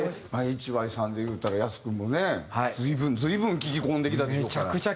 ＨＹさんでいうたらヤス君もね随分随分聴き込んできたでしょうから。